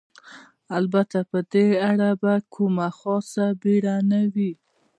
البته په دې اړه به کومه خاصه بېړه نه وي.